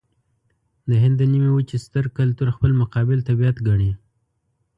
د هند د نيمې وچې ستر کلتور خپل مقابل طبیعت ګڼي.